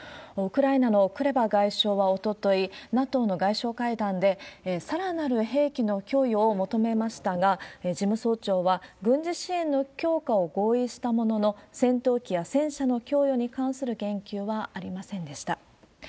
ウクライナのクレバ外相はおととい、ＮＡＴＯの外相会談で、さらなる兵器の供与を求めましたが、事務総長は軍事支援の強化を合意したものの、戦闘機や戦車の供与に関する言及はありませんでした。